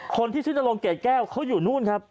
คนที่ชื่อนรงเกรดแก้วเขาอยู่นู่นครับ